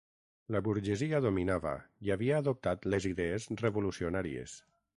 La burgesia dominava i havia adoptat les idees revolucionàries.